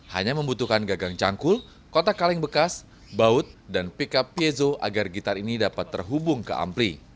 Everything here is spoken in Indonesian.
hanya membutuhkan gagang cangkul kotak kaleng bekas baut dan pickup piezo agar gitar ini dapat terhubung ke ampli